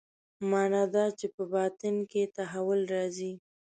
معنا دا چې په باطن کې تحول راځي.